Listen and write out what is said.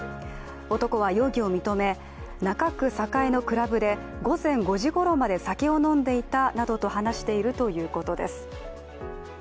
男は容疑を認め、中区栄のクラブで午前５時ごろまで酒を飲んでいたなどと話しているということです